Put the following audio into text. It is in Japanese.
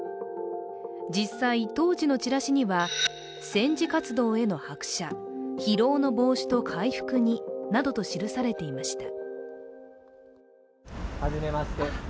実際、当時のチラシには、戦時活動への拍車疲労の防止と回復になどと記されていました。